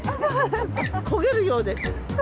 焦げるようです。